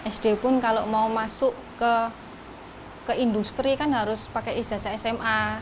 sd pun kalau mau masuk ke industri kan harus pakai ijazah sma